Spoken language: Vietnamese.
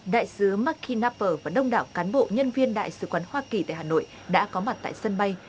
đại sứ mark knapper và đông đảo cán bộ nhân viên đại sứ quán hoa kỳ tại hà nội đã có mặt tại sân bay